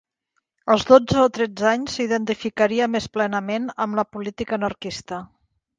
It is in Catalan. Als dotze o tretze anys, s'identificaria més plenament amb la política anarquista.